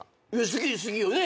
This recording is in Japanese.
好き好きよね。